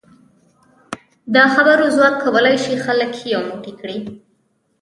د خبرو ځواک کولای شي خلک یو موټی کړي.